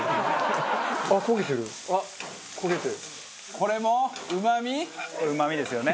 これうまみですよね。